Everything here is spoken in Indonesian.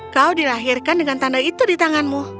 kau dilahirkan dengan tanda itu di tanganmu